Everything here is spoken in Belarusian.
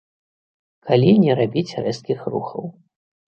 Калі не рабіць рэзкіх рухаў.